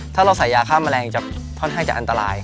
ถ้าเราใส่ยาฆ่าแมลงจะค่อนข้างจะอันตราย